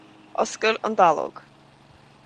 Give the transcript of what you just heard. Oscail an dallóg